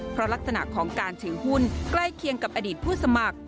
เพราะลักษณะของการถือหุ้นใกล้เคียงกับอดีตผู้สมัคร